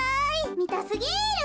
みたすぎる。